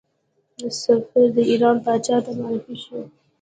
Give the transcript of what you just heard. سفیر د ایران پاچا ته معرفي شو.